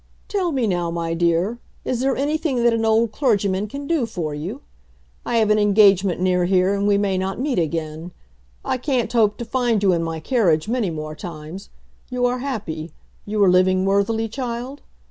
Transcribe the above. "Tell me now, my dear, is there anything that an old clergyman can do for you? I have an engagement near here and we may not meet again. I can't hope to find you in my carriage many more times. You are happy you are living worthily, child?